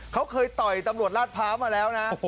เขาเคยต่อยตำรวจลาดพร้าวมาแล้วนะ